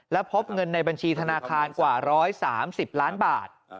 และพบเงินในบัญชีธนาคารกว่า๑๓๐ล้านบาท